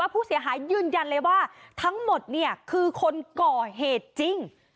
คืนยันเลยว่าทั้งหมดเนี่ยคือคนก่อเหตุจริง